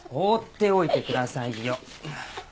放っておいてくださいよ！